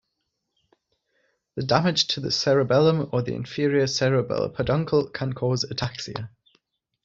The damage to the cerebellum or the inferior cerebellar peduncle can cause ataxia.